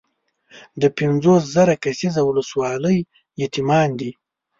د پنځوس زره کسیزه ولسوالۍ یتیمان دي.